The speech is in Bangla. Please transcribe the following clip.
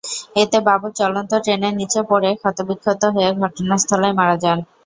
এতে বাবর চলন্ত ট্রেনের নিচে পড়ে ক্ষতবিক্ষত হয়ে ঘটনাস্থলেই মারা যান।